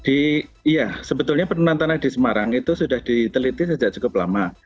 iya sebetulnya penurunan tanah di semarang itu sudah diteliti sejak cukup lama